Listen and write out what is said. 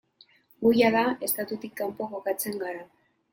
Gu jada estatutik kanpo kokatzen gara.